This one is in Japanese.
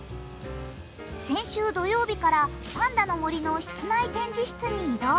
先週土曜日からパンダのもりの室内展示室に移動。